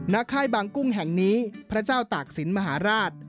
ค่ายบางกุ้งแห่งนี้พระเจ้าตากศิลปมหาราช